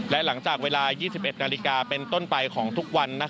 และหลังจากเวลา๒๑นาฬิกาเป็นต้นไปของทุกวัน